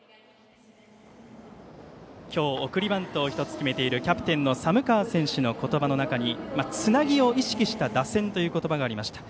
今日、送りバントを１つ決めているキャプテン、寒川選手の言葉の中につなぎを意識した打線という言葉がありました。